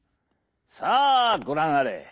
さあご覧あれ！